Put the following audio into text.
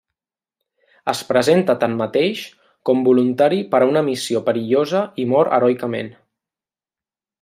Es presenta tanmateix com voluntari per a una missió perillosa i mor heroicament.